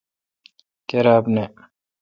کیراب نہ۔